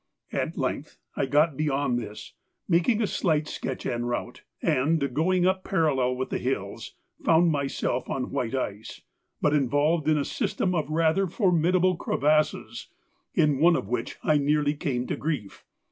At length I got beyond this, making a slight sketch en route, and, going up parallel with the hills, found myself on white ice, but involved in a system of rather formidable crevasses, in one of which I nearly came to grief.